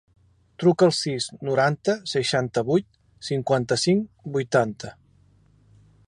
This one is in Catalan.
Truca al sis, noranta, seixanta-vuit, cinquanta-cinc, vuitanta.